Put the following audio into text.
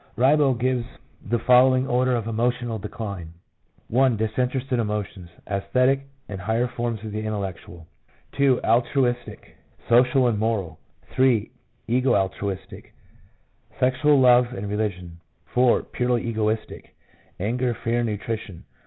Ribot 1 gives the following order of emotional decline :— I. Disinterested emotions — aesthetic and higher forms of the intellectual; 2. Altruistic — social and moral ; 3. Ego altruistic — sexual love and religion ; 4. Purely egoistic — anger, fear, nutrition.